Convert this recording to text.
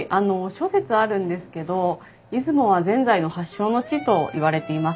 諸説あるんですけど出雲はぜんざいの発祥の地といわれています。